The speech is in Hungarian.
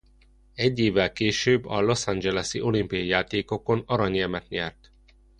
Egy évvel később a Los Angeles-i olimpiai játékokon aranyérmet nyert.